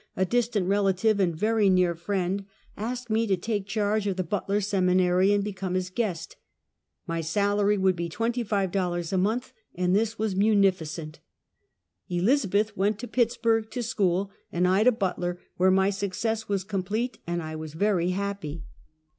a distant rela tive and very near friend, asked me to take charge of the Butler Seminary and become his guest. My sal ary would be twenty five dollars a month, and this was munificent. Elizabeth went to Pittsburg to school, and I to Butler, where my success was complete and I very happy.